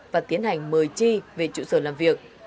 và tiến hành mời chi về trụ sở làm việc